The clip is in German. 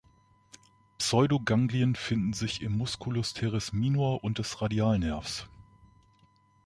Pseudoganglien finden sich im Musculus teres minor und des Radialnervs.